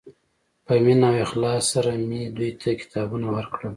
په مینه او اخلاص سره مې دوی ته کتابونه ورکړل.